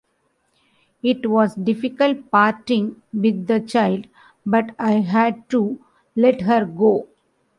It was difficult parting with the child, but I had to let her go.